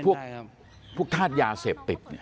เพราะพวกท่าดยาเสพติด